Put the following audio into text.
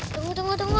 tunggu tunggu tunggu